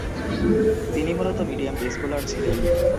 তিনি মূলতঃ medium pace bowler ছিলেন।